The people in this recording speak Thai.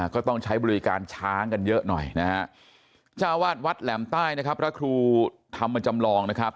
ก็ต้องใช้บริการช้างกันเยอะหน่อยนะชาวาดวัดแหลมใต้นะครับ